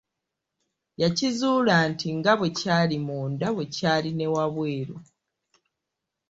Yakizuula nti nga bwe kyali munda bwe kyali ne wabweru.